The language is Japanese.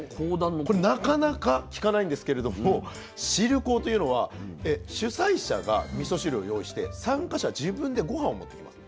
これなかなか聞かないんですけれども「汁講」というのは主催者がみそ汁を用意して参加者自分で御飯を持ってきます。